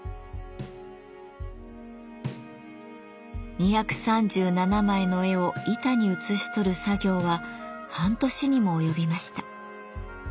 ２３７枚の絵を板に写し取る作業は半年にも及びました。